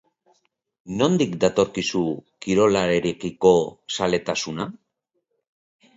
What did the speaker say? Nondik datorkizu kirolarekiko zaletasuna?